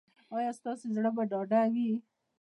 ایا ستاسو زړه به ډاډه وي؟